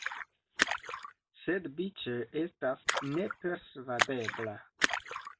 Sed Biĉe estas nepersvadebla.